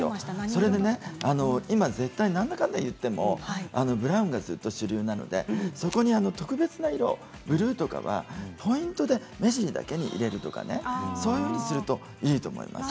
それでね今絶対、なんだかんだ言ってもブラウンがずっと主流なのでそこに特別な色、ブルーとかはポイントで目尻だけに入れるとかねそういうふうにするといいと思います。